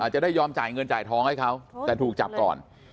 จะได้ยอมจ่ายเงินจ่ายทองให้เขาแต่ถูกจับก่อน